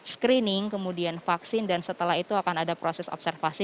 screening kemudian vaksin dan setelah itu akan ada proses observasi